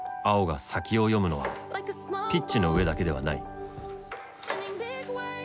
碧が“先を読む”のはピッチの上だけではない。